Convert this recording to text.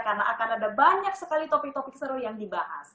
karena akan ada banyak sekali topik topik seru yang dibahas